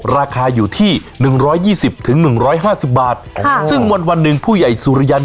ราคาอยู่ที่หนึ่งร้อยยี่สิบถึงหนึ่งร้อยห้าสิบบาทค่ะซึ่งวันวันหนึ่งผู้ใหญ่สุริยัน